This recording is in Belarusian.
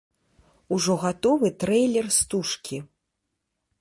Ужо гатовы трэйлер стужкі.